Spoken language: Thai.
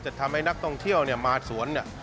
จะทำให้นักท่องเที่ยวมาสวน